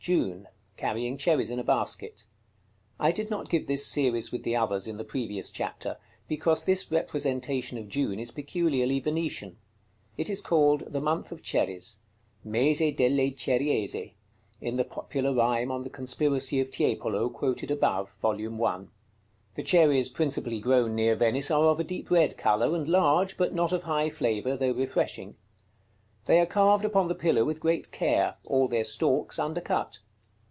_ June. Carrying cherries in a basket. I did not give this series with the others in the previous chapter, because this representation of June is peculiarly Venetian. It is called "the month of cherries," mese delle ceriese, in the popular rhyme on the conspiracy of Tiepolo, quoted above, Vol. I. The cherries principally grown near Venice are of a deep red color, and large, but not of high flavor, though refreshing. They are carved upon the pillar with great care, all their stalks undercut.